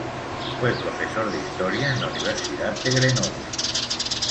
Fue profesor de Historia en la Universidad de Grenoble.